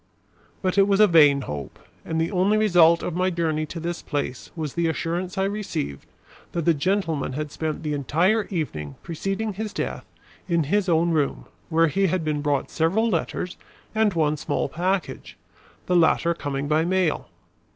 But it was a vain hope and the only result of my journey to this place was the assurance I received that the gentleman had spent the entire evening preceding his death, in his own room, where he had been brought several letters and one small package, the latter coming by mail.